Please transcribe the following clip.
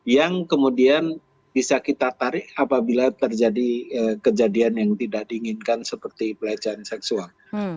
yang kemudian bisa kita tarik apabila terjadi kejadian yang tidak diinginkan seperti pelecehan seksual